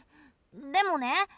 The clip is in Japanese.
でもね